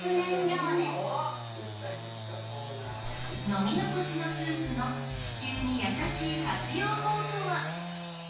飲み残しのスープの地球に優しい活用法とは？